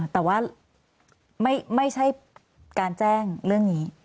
แต่ว่าไม่ใช่การแจ้งเรื่องนี้